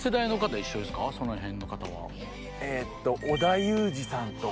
そのへんの方は？